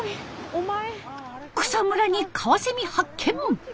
草むらにカワセミ発見！